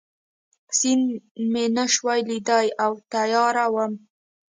سیند مې نه شوای لیدای او تیاره وه.